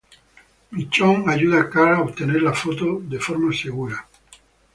Michonne ayuda a Carl a obtener la foto de forma segura.